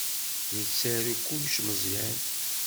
Yettaru kullec Meẓyan.